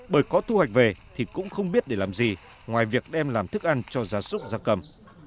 bởi có thu hoạch về thì cũng không biết để làm gì ngoài việc đem làm thức ăn cho gia súc gia cầm